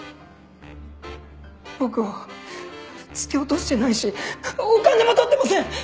僕は突き落としてないしお金も取ってません！